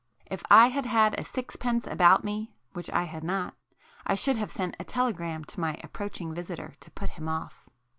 If I had had a sixpence about me, (which I had not) I should have sent a telegram to my approaching visitor to put him off.